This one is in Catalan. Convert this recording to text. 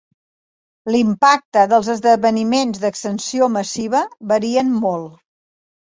L'impacte dels esdeveniments d'extensió massiva varien molt.